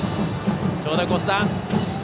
長打コースだ。